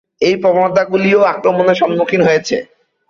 এই প্রবণতাগুলিও আক্রমণের সম্মুখীন হয়েছে।